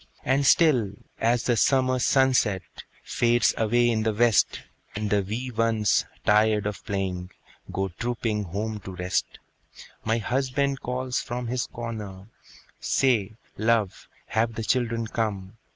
And still, as the summer sunset Fades away in the west, And the wee ones, tired of playing, Go trooping home to rest, My husband calls from his corner, "Say, love, have the children come?"